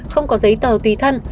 không có giấy tờ tùy thân